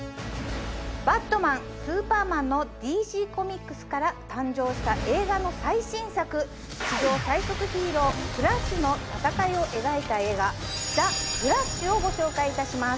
『バットマン』『スーパーマン』のＤＣコミックスから誕生した映画の最新作地上最速ヒーローフラッシュの戦いを描いた映画『ザ・フラッシュ』をご紹介いたします。